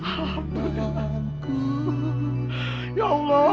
setiap aku setuju